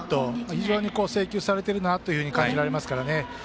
非常に制球されているなと感じられますからね。